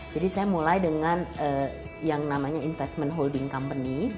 jadi saya mulai dengan yang namanya investment holding company